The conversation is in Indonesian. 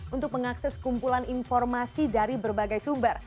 untuk mengakses kumpulan informasi dari berbagai sumber